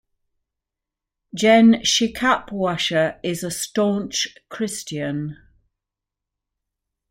Gen Shikapwasha is a staunch Christian.